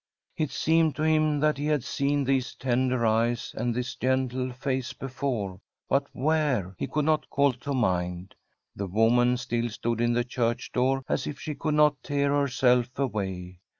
It seemed to him that he had $een the$e tender eyes and this gentle face be fore, but where, he could not call to mind. The wvxtian stilt stood in the church door, as if she cvHild iH>t tear herself away.